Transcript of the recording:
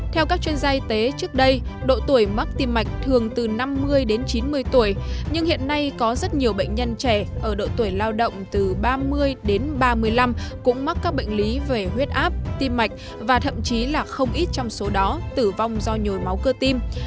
theo các chuyên gia y tế trước đây độ tuổi mắc tim mạch thường từ năm mươi đến chín mươi tuổi nhưng hiện nay có rất nhiều bệnh nhân trẻ ở độ tuổi lao động từ ba mươi đến ba mươi năm cũng mắc các bệnh lý về huyết áp tim mạch và thậm chí là không ít trong số đó tử vong do nhồi máu cơ tim